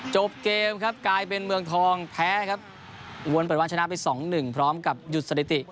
จบเกมครับกลายเป็นเมืองทองแพ้ครับอุบลเปิดวันชนะไปสองหนึ่งพร้อมกับหยุดสถิติ